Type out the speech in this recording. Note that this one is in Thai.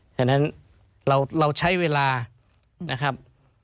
ฉะนั้นเราใช้เวลานะครับ